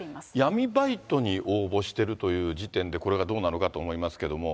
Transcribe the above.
闇バイトに応募してるという時点で、これがどうなのかと思いますけど。